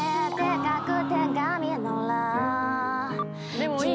・でもいい。